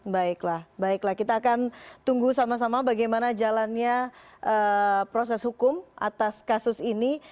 baiklah baiklah kita akan tunggu sama sama bagaimana jalannya proses hukum atas kasus ini